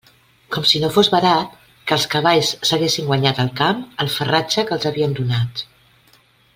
Com si no fos barat que els cavalls s'haguessen guanyat al camp el farratge que els havien donat.